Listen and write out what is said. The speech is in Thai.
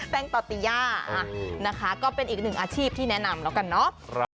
งตอติย่านะคะก็เป็นอีกหนึ่งอาชีพที่แนะนำแล้วกันเนาะ